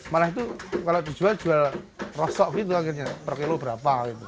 malah itu kalau dijual jual rosok gitu akhirnya per kilo berapa gitu